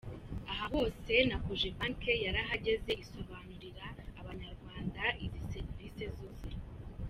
Aha hose na Cogebanque yarahageze isobanurira Abanyarwanda izi serivisi zose.